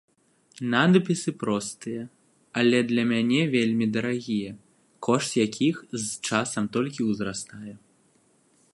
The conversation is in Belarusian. Надпісы простыя, але для мяне вельмі дарагія, кошт якіх з часам толькі ўзрастае.